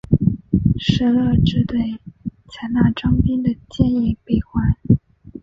石勒只得采纳张宾的建议北还。